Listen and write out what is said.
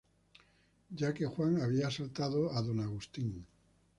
Ya que Juan había asaltado a Don Agustín.